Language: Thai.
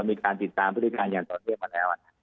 มีการติดตามพฤติการอย่างต่อเนื่องมาแล้ว